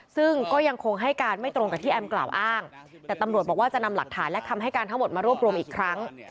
ซึ่งก็ยังคงให้การไม่ตรงกับที่แอมกล่าวอ้างแต่ตำรวจบอกว่าจะนำหลักฐานและคำให้การทั้งหมดมารวบรวมอีกครั้ง